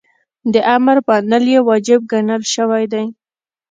د امر منل یی واجب ګڼل سوی دی .